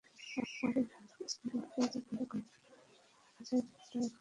ওয়ারীর রযাত ঙ্কিন স্ট্রিটে health care সেন্টারের কাছের রাস্তায় এখনো পয়োলাইনের পানি।